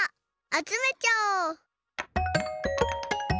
あつめちゃおう！